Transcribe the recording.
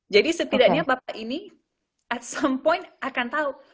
jadi setidaknya bapak ini at some point akan tahu